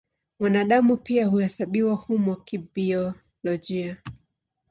Mwanadamu pia huhesabiwa humo kibiolojia.